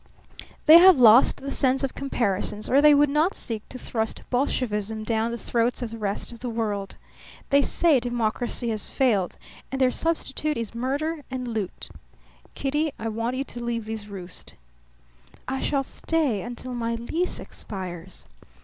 They have lost the sense of comparisons or they would not seek to thrust Bolshevism down the throats of the rest of the world. They say democracy has failed, and their substitute is murder and loot. Kitty, I want you to leave this roost." "I shall stay until my lease expires."